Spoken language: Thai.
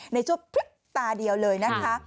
ในช่วงตาเดียวเลยนะ